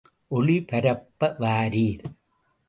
ஒளி பரப்ப வாரீர் ….